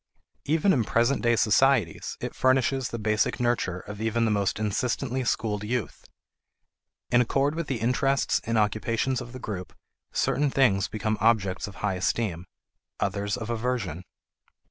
Even in present day societies, it furnishes the basic nurture of even the most insistently schooled youth. In accord with the interests and occupations of the group, certain things become objects of high esteem; others of aversion.